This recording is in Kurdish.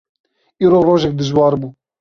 Îro rojek dijwar bû.